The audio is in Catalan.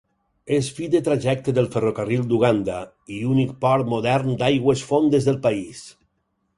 És fi de trajecte del ferrocarril d'Uganda, i únic port modern d'aigües fondes del país.